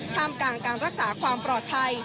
ท่ามกลางการรักษาความปลอดภัย